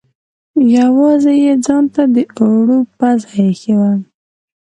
یوازې یې ځانته د اوړو پزه اېښې وه.